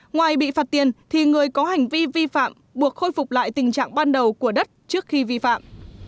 ngoài bị phạt tiền thì người có hành vi vi phạm buộc khôi phục lại tình trạng ban đầu của đất trước khi vi phạm